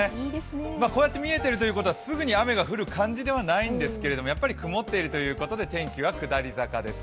こうやって見えてるということは、すぐに雨が降る感じではないんですが、曇っているということで天気は下り坂です。